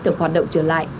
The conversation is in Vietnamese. được hoạt động trở lại